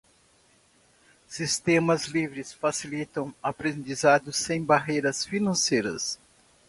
Sistemas livres facilitam aprendizado sem barreiras financeiras.